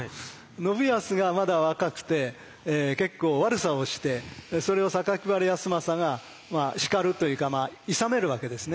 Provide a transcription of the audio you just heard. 信康がまだ若くて結構悪さをしてそれを榊原康政が叱るというかいさめるわけですね。